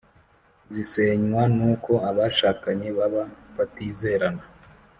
zisenywa n’uko abashakanye baba batizerana